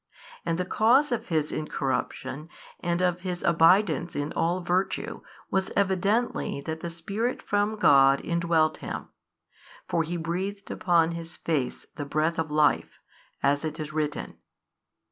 And the cause of his incorrup tion and of his abidance in all virtue was evidently that the Spirit from God indwelt him; for He breathed upon his face the breath of life, as it is written.